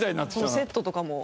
このセットとかも。